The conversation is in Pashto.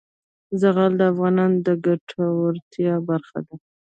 زغال د افغانانو د ګټورتیا برخه ده.